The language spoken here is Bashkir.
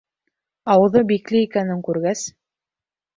Ауыҙы бикле икәнен күргәс: